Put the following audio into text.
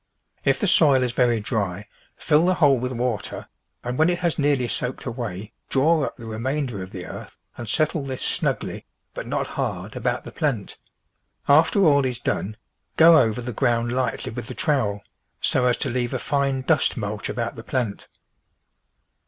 If the soil is very dry, fill the hole with water, and when it has nearly soaked away draw up the remainder of the earth and settle this snugly, but not hard, about the plant; after all is done, go over the ground lightly with the trowel, so as to leave a fine dust mulch about the plant.